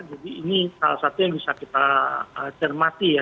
jadi ini salah satu yang bisa kita cermati ya